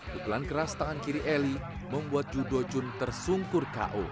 pukulan keras tangan kiri eli membuat judo jun tersungkur ko